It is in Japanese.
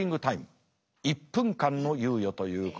１分間の猶予ということになります。